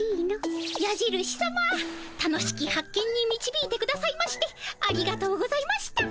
やじるしさま楽しき発見にみちびいてくださいましてありがとうございました。